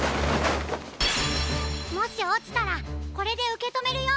もしおちたらこれでうけとめるよ！